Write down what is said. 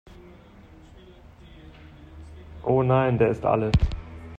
Oh nein, der ist alle!